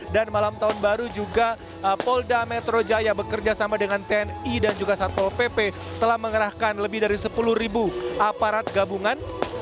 dan malam tahun baru juga polda metro jaya bekerja sama dengan tni dan juga satpol pp telah mengerahkan lebih dari sepuluh ribu aparat gabungan